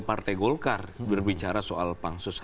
partai golkar berbicara soal pansus